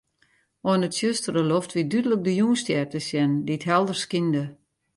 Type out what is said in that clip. Oan 'e tsjustere loft wie dúdlik de Jûnsstjer te sjen, dy't helder skynde.